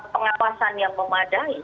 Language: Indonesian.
pengapasan yang memadai